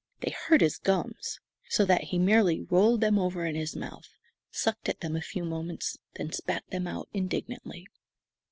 They hurt his gums, so that he merely rolled them over in his mouth, sucked at them a few moments, then spat them out indignantly.